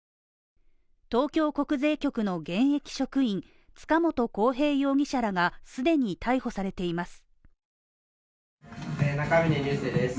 東京国税局の現役職員、塚本晃平容疑者らが既に逮捕されています。